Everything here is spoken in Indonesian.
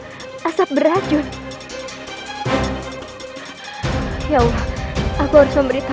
hai apa yang kau lakukan segawangi ternyata aku salah memilih kawan